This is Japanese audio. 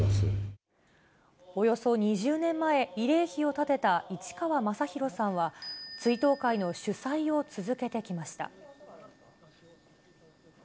およそ２０年前、慰霊碑を建てた市川正廣さんは、追悼会の主催を続けてきました。